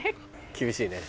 厳しいね。